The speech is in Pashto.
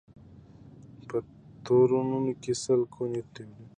په تورونو کي سل ګونه تپېدله